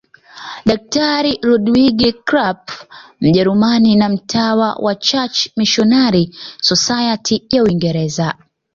Daktari Ludwig Krapf Mjerumani na mtawa wa Church Missionary Society ya Uingereza